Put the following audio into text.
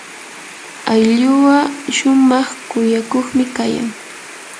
ayllua shumaq kuyakuqmi kayan.